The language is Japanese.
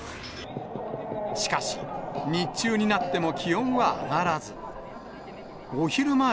しかし、日中になっても気温は上がらず。